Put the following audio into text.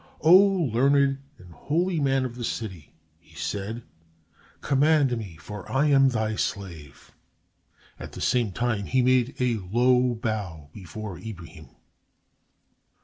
"O learned and holy man of the city," he said, "command me, for I am thy slave." At the same time he made a low bow before Ibrahim.